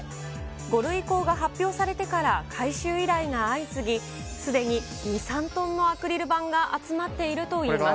５類移行が発表されてから回収依頼が相次ぎ、すでに２、３トンのアクリル板が集まっているといいます。